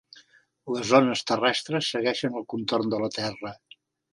Les ones terrestres segueixen el contorn de la Terra.